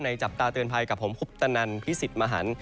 จับตาเตือนภัยกับผมคุปตนันพิสิทธิ์มหัน